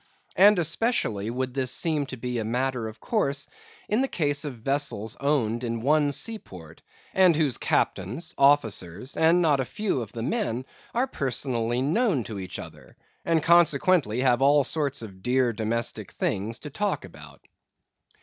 And especially would this seem to be a matter of course, in the case of vessels owned in one seaport, and whose captains, officers, and not a few of the men are personally known to each other; and consequently, have all sorts of dear domestic things to talk about.